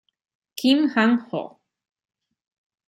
Kim Hwang-ho